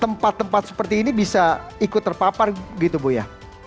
tempat tempat seperti ini bisa ikut terpapar gitu bu ya